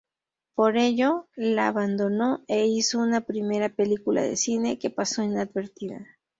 Por ello, la abandonó e hizo una primera película de cine, que pasó inadvertida.